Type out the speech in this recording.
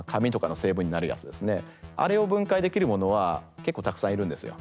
あれを分解できるものは結構たくさんいるんですよ。